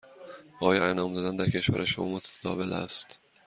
آیا انعام دادن در کشور شما متداول است؟